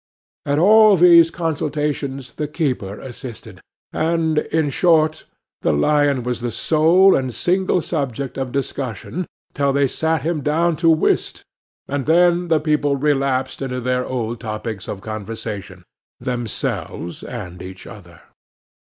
At all these consultations the keeper assisted; and, in short, the lion was the sole and single subject of discussion till they sat him down to whist, and then the people relapsed into their old topics of conversation—themselves and each other.